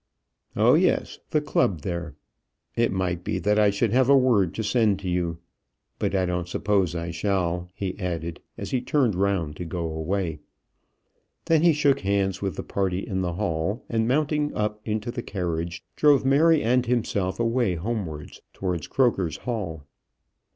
"Oh, yes; the club there. It might be that I should have a word to send to you. But I don't suppose I shall," he added, as he turned round to go away. Then he shook hands with the party in the hall, and mounting up into the carriage, drove Mary and himself away homewards towards Croker's Hall.